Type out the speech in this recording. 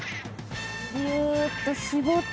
ぎゅっと絞って。